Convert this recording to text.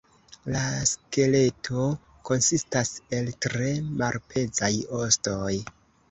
La skeleto konsistas el tre malpezaj ostoj.